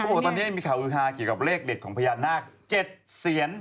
พูดถึงว่าตอนนี้มีข่าวฮือฮาต่อกับเลขเย็ดของภาพนางเจ็ดเสียน